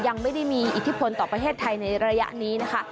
ยังไม่ได้มีอิทธิพลต่อประเทศไทยในระยะนี้นะคะ